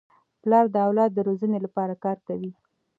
پلار د اولاد د روزني لپاره کار کوي.